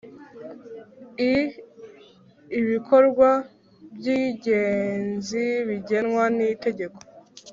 I Ibikorwa by ingenzi bigenwa nitegeko